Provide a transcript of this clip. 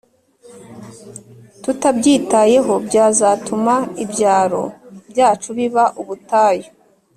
tutabyitayeho byazatuma ibyaro byacu biba ubutayu